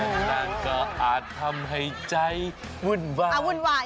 รอนานก็อาจทำให้ใจวุ่นวาย